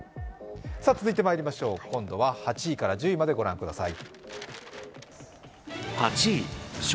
今度は８位から１０位までご覧ください。